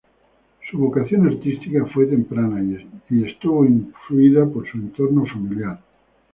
Su vocación artística fue temprana y estuvo influida por su entorno familiar.